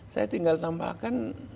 saya tinggal tambahkan